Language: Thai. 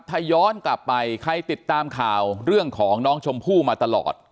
ถ้าย้อนกลับไปใครติดตามข่าวเรื่องของน้องชมพู่มาตลอด